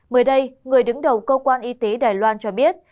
mới đây người đứng đầu cơ quan y tế đài loan cho biết